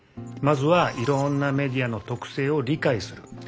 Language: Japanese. まずはいろんなメディアの特性を理解する。